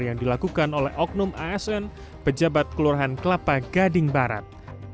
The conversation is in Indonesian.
yang dilakukan oleh oknum asn pejabat kelurahan kelapa gading barat